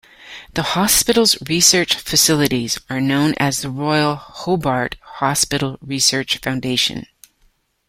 The hospital's research facilities are known as the Royal Hobart Hospital Research Foundation.